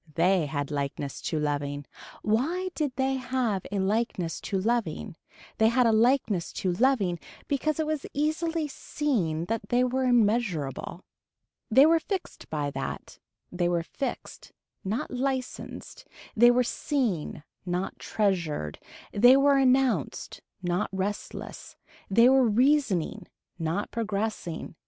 They had likeness to loving. Why did they have a likeness to loving. They had a likeness to loving because it was easily seen that they were immeasurable. They were fixed by that, they were fixed, not licensed, they were seen, not treasured, they were announced, not restless, they were reasoning, not progressing.